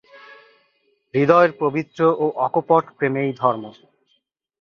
হৃদয়ের পবিত্র ও অকপট প্রেমেই ধর্ম।